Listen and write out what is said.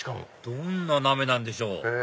どんな鍋なんでしょう？